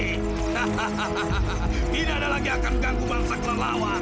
hahaha tidak ada lagi yang akan mengganggu bangsa kelelawar